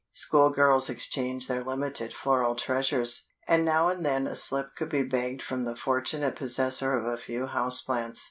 School girls exchanged their limited floral treasures, and now and then a slip could be begged from the fortunate possessor of a few house plants.